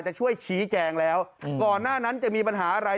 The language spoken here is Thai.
จะช่วยชี้แจงแล้วก่อนหน้านั้นจะมีปัญหาอะไร